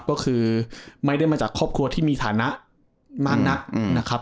ก็คือไม่ได้มาจากครอบครัวที่มีฐานะมากนักนะครับ